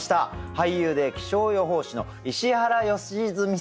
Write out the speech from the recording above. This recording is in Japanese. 俳優で気象予報士の石原良純さんです。